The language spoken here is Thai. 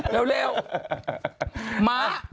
เร็วม้า